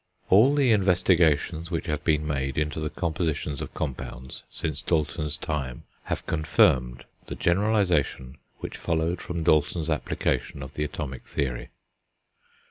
All the investigations which have been made into the compositions of compounds, since Dalton's time, have confirmed the generalisation which followed from Dalton's application of the atomic theory.